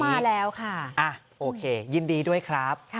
มาแล้วค่ะโอเคยินดีด้วยครับ